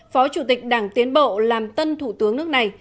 phó chủ tịch đảng tiến bộ làm tân thủ tướng nước này